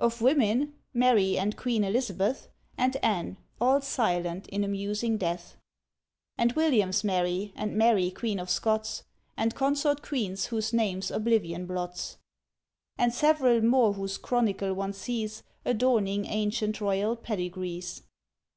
Of women, Mary and Queen Elizabeth, And Anne, all silent in a musing death; And William's Mary, and Mary, Queen of Scots, And consort queens whose names oblivion blots; And several more whose chronicle one sees Adorning ancient royal pedigrees.